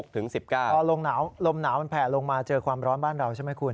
พอลมหนาวมันแผลลงมาเจอความร้อนบ้านเราใช่ไหมคุณ